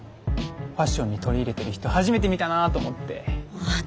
ファッションに取り入れてる人初めて見たなと思って。